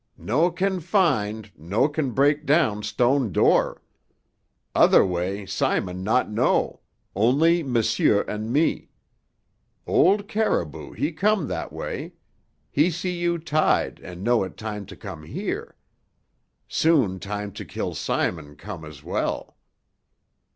"No can find, no can break down stone door. Other way Simon not know only m'sieur and me. Old Caribou he come that way; he see you tied and know it time to come here. Soon time to kill Simon come as well."